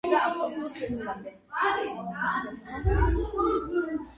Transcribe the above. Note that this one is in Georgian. სამარხები მცირე რაოდენობითაა აღმოჩენილი ძირითადად ნაგებობათა შორის ფართობზე.